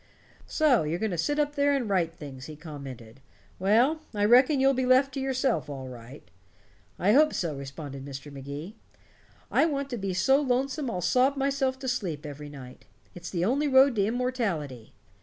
"So you're going to sit up there and write things," he commented. "Well, I reckon you'll be left to yourself, all right." "I hope so," responded Mr. Magee. "I want to be so lonesome I'll sob myself to sleep every night. It's the only road to immortality.